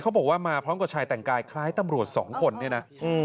เขาบอกว่ามาพร้อมกับชายแต่งกายคล้ายตำรวจสองคนเนี่ยนะ